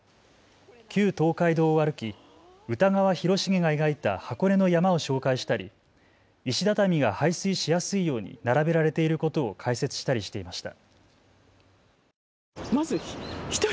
旧東海道を歩き歌川広重が描いた箱根の山を紹介したり石畳が排水しやすいように並べられていることを解説したりしていました。